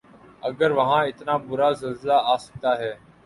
اگر وہاں اتنا بڑا زلزلہ آ سکتا ہے۔